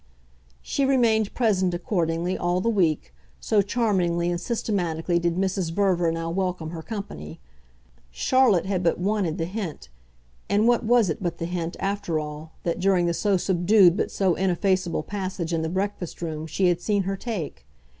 She remained present, accordingly, all the week, so charmingly and systematically did Mrs. Verver now welcome her company. Charlotte had but wanted the hint, and what was it but the hint, after all, that, during the so subdued but so ineffaceable passage in the breakfast room, she had seen her take?